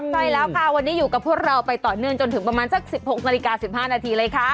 ใช่แล้วค่ะวันนี้อยู่กับพวกเราไปต่อเนื่องจนถึงประมาณสัก๑๖นาฬิกา๑๕นาทีเลยค่ะ